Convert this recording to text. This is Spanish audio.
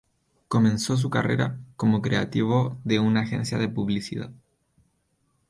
Comenzó su carrera como creativo de una agencia de publicidad.